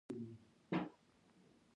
د ایمان ځواک د نفس کنټرول دی.